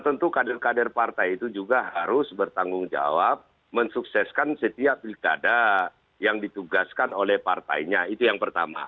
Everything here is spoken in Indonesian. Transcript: tentu kader kader partai itu juga harus bertanggung jawab mensukseskan setiap pilkada yang ditugaskan oleh partainya itu yang pertama